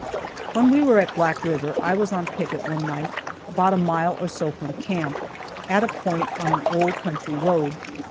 When we were at Black river I was on picket one night about a mile or so from camp, at a point on an old country road.